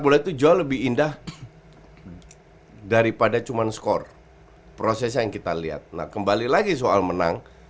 bola itu jauh lebih indah daripada cuman skor prosesnya yang kita lihat nah kembali lagi soal menang